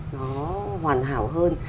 nó hoàn hảo hơn